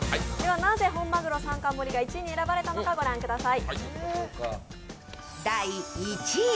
なで本まぐろ３貫盛りが１位に選ばれたのか御覧ください。